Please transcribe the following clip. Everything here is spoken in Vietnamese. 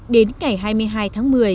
đến ngày hai mươi hai tháng một mươi